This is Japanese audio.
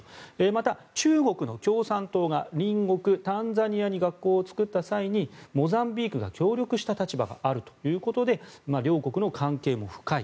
また、中国の共産党が隣国タンザニアに学校を作った際にモザンビークが協力した立場があるということで両国の関係も深い。